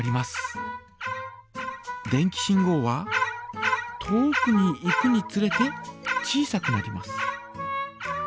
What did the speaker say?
電気信号は遠くに行くにつれて小さくなります。